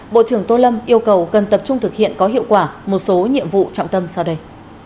bộ trưởng tô lâm yêu cầu cần tập trung thực hiện có hiệu quả một số nhiệm vụ trọng tâm sau đây